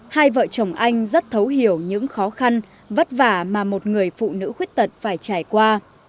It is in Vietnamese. hai vợ chồng anh rất thấu hiểu những khó khăn vất vả mà một người phụ nữ khuyết tật phải trải qua